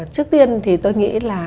trước tiên thì tôi nghĩ là